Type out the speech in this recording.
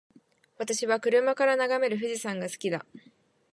私は車から眺める富士山が好きだ。